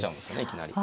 いきなり。